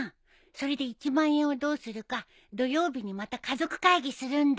それで１万円をどうするか土曜日にまた家族会議するんだ。